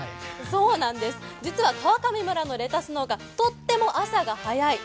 そうなんです、実は川上村のレタス農家、とっても朝が早い。